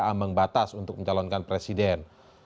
ambang batas untuk mencalonkan presiden